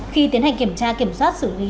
khi tiến hành kiểm tra kiểm soát xử lý